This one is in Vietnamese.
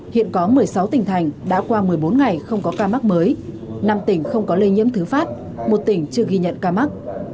hiện có một mươi sáu tỉnh thành đã qua một mươi bốn ngày không có ca mắc mới năm tỉnh không có lây nhiễm thứ phát một tỉnh chưa ghi nhận ca mắc